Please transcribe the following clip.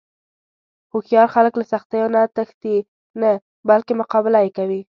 هوښیار خلک له سختیو نه تښتي نه، بلکې مقابله یې کوي.